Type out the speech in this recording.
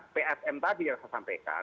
psm tadi yang saya sampaikan